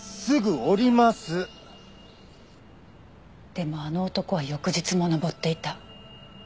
でもあの男は翌日も登っていた。